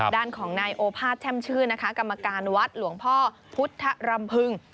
ด้านของนายโอภาษแช่มชื่นนะคะกรรมการวัดหลวงพ่อพุทธรำพึง